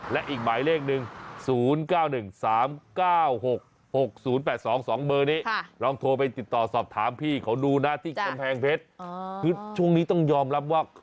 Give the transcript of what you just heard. และอีกหมายเลขนึง๐๙๑๓๙๖๖๐๘๒๒เมอร์นี้ลองโทรไปติดต่อสอบถามพี่เขานูนะที่แช่แพงเพชร